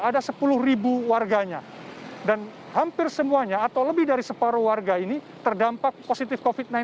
ada sepuluh warganya dan hampir semuanya atau lebih dari separuh warga ini terdampak positif covid sembilan belas